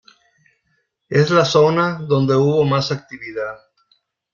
Es la zona donde hubo más actividad.